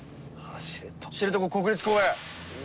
知床国立公園。